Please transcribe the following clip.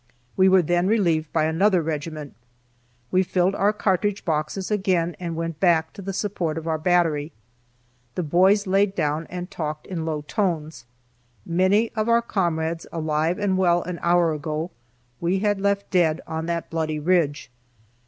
We were then relieved by another regiment. We filled our cartridge boxes again and went back to the support of our battery. The boys laid down and talked in low tones. Many of our comrades alive and well an hour ago, we had left dead on that bloody ridge.